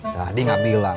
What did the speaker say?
tadi gak bilang